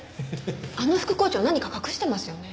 あの副校長何か隠してますよね。